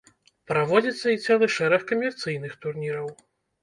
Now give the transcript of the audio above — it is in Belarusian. Праводзіцца і цэлы шэраг камерцыйных турніраў.